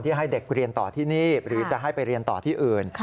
ให้เด็กเรียนต่อที่นี่หรือจะให้ไปเรียนต่อที่อื่น